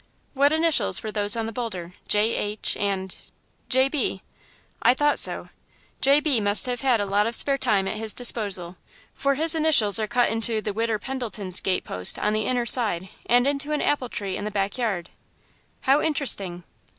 "What initials were those on the boulder? J. H. and " "J. B." "I thought so. 'J. B.' must have had a lot of spare time at his disposal, for his initials are cut into the 'Widder' Pendleton's gate post on the inner side, and into an apple tree in the back yard." "How interesting!"